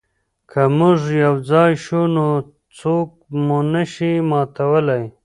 که موږ یو ځای شو نو څوک مو نه شي ماتولی.